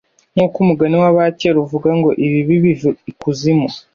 nk uko umugani w abakera uvuga ngo ibibi biva ikuzimu